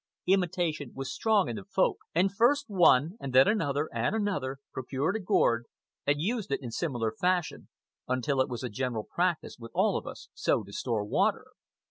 Imitation was strong in the Folk, and first one, and then another and another, procured a gourd and used it in similar fashion, until it was a general practice with all of us so to store water.